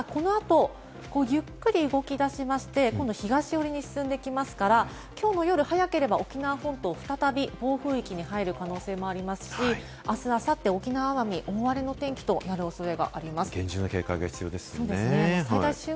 ただこの後、ゆっくり動き出しまして、今度は東寄りに進んでいきますから、きょうの夜、早ければ沖縄本島再び暴風域に入る可能性もありますし、あす・あさっては沖縄・奄美、大荒れの天気となる可能性があります。